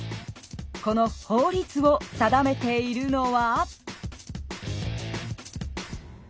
この法律を定めているのは？